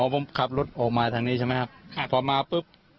ผมขับรถออกมาทางนี้ใช่ไหมครับพอมาปุ๊บ